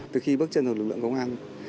từ khi bước chân vào lực lượng công an